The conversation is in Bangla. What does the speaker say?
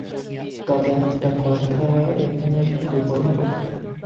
তবে একটা কথা এখানে শুধু বলব।